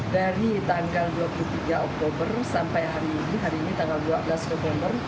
dari tanggal dua puluh tiga oktober sampai hari ini hari ini tanggal dua belas oktober